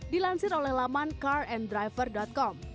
dilansir oleh laman caranddriver com